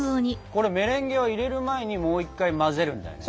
メレンゲは入れる前にもう一回混ぜるんだよね？